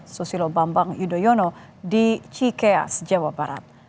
susilo bambang yudhoyono di cikeas jawa barat